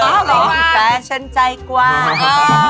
แฟชั่นใจกว้าง